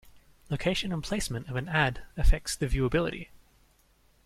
Location and placement of an ad affects the viewabilty.